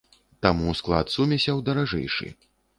Таму склад сумесяў даражэйшы.